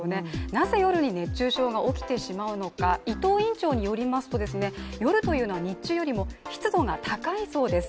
なぜ夜に熱中症が起きてしまうのか伊藤院長によりますと夜というのは日中よりも湿度が高いそうです。